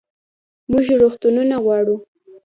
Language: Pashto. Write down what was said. موږ روغتونونه غواړو